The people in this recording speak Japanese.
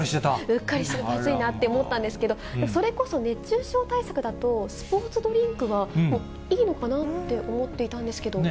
うっかりしやすいなと思ったんですけど、それこそ熱中症対策だと、スポーツドリンクはいいのかなって思っていたんですけど。